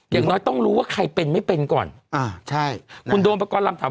อย่างน้อยต้องรู้ว่าใครเป็นไม่เป็นก่อนอ่าใช่คุณโดมประกอบลำถาม